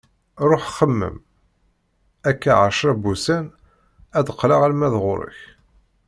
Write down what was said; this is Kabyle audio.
Ruḥ xemmem, akka ɛecra n wussan ad d-qqleɣ alma d ɣur-k.